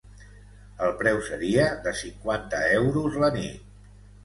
El preu seria de cinquanta euros la nit.